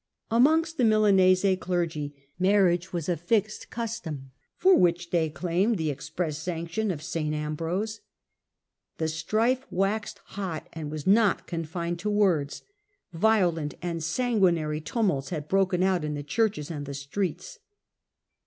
Amongst the Milanese clergy marriage was a fixed custom, for which they claimed the express sanc tion of St. Ambrose. The strife waxed hot and was not confined to words ; violent and sanguinary tumults had broken out in the churches and the streets.